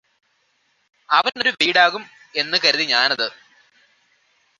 അവനൊരു വീടാകും എന്ന് കരുതി ഞാനത്